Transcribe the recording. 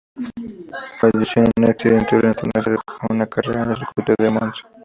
Falleció en un accidente durante una carrera en el circuito de Monza.